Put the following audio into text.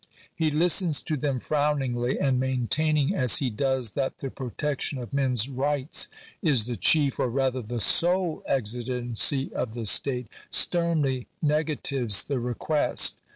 He listens to them frowningly, and maintaining as he does that the protection of men's rights is the chief, or rather the sole, "exigency of the state," sternly negatives the request.